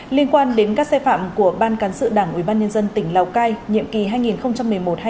liên quan đến các xe phạm của ban cán sự đảng ủy ban nhân dân tỉnh lào cai